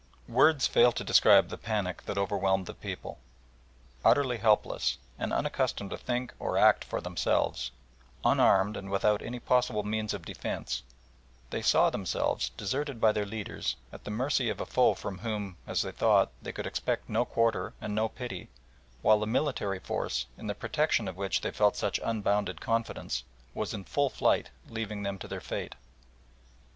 Words fail to describe the panic that overwhelmed the people. Utterly helpless, and unaccustomed to think or act for themselves, unarmed and without any possible means of defence, they saw themselves, deserted by their leaders, at the mercy of a foe from whom, as they thought, they could expect no quarter and no pity, while the military force, in the protection of which they had felt such unbounded confidence, was in full flight leaving them to their fate.